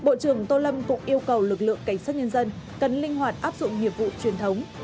bộ trưởng tô lâm cũng yêu cầu lực lượng cảnh sát nhân dân cần linh hoạt áp dụng nghiệp vụ truyền thống